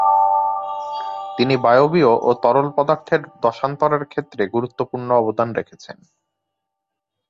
তিনি বায়বীয় ও তরল পদার্থের দশান্তরের ক্ষেত্রে গুরুত্বপূর্ণ অবদান রেখেছেন।